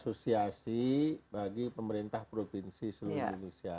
asosiasi bagi pemerintah provinsi seluruh indonesia